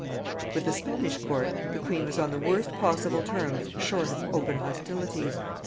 ] With the Spanish court the queen was on the worst possible terms short of open hostilities.